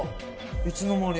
いつの間に。